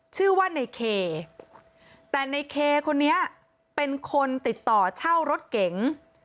ชื่อว่าในเคแต่ในเคคนนี้เป็นคนติดต่อเช่ารถเก๋ง